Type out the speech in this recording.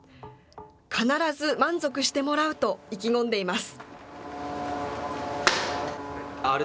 必ず満足してもらうと意気込んでいます。